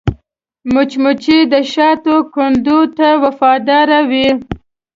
مچمچۍ د شاتو کندو ته وفاداره وي